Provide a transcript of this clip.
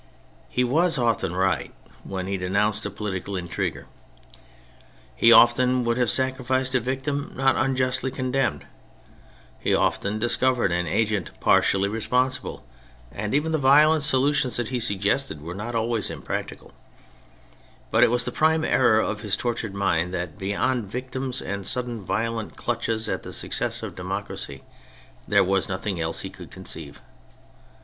He was often right when he denounced a political intriguer : he often would have sacrificed a victim not unjustly condemned, he often discovered an agent partially re sponsible, and even the violent solutions that he suggested were not always impracticable. But it was the prime error of his tortured mind that beyond victims, and sudden violent clutches at the success of democracy, there was nothing else he could conceive.